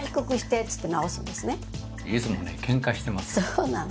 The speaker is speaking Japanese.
そうなの。